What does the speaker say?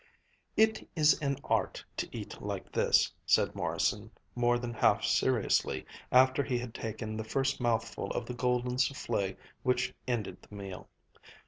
"It is an art to eat like this," said Morrison, more than half seriously, after he had taken the first mouthful of the golden soufflé which ended the meal.